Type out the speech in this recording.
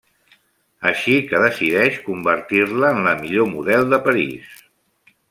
Així que decideix convertir-la en la millor model de París.